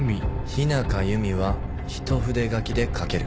「日中弓」は一筆書きで書ける。